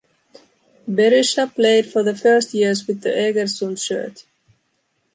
Berisha played for the first years with the Egersund shirt.